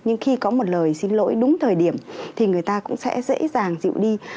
nhưng khi có một lời xin lỗi đúng thời điểm thì người ta cũng sẽ dễ dàng dịu đi